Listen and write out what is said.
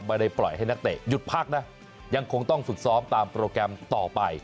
ไม่ได้ปล่อยให้นักเตะหยุดพักนะยังคงต้องฝึกซ้อมตามโปรแกรมต่อไป